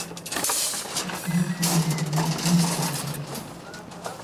Of historic buildings, at least two survive.